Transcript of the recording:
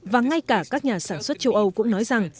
và ngay cả các nhà sản xuất châu âu cũng nói rằng